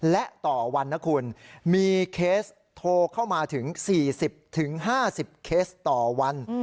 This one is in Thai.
และต่อวันนะคุณมีเคสโทรเข้ามาถึง๔๐๕๐เคสต่อวัน